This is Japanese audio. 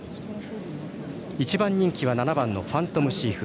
１番人気は７番ファントムシーフ。